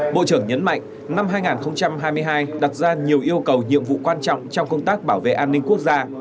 bộ trưởng nhấn mạnh năm hai nghìn hai mươi hai đặt ra nhiều yêu cầu nhiệm vụ quan trọng trong công tác bảo vệ an ninh quốc gia